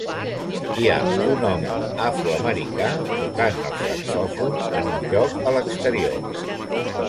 Hi ha un home afroamericà tocant el saxòfon en un lloc a l'exterior.